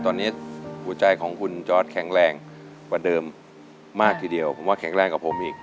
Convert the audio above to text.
ตอนนี้หัวใจของคุณจอร์ดแข็งแรงกว่าเดิมมากทีเดียวผมว่าแข็งแรงกว่าผมอีก